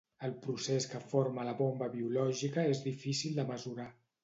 El procés que forma la bomba biològica és difícil de mesurar.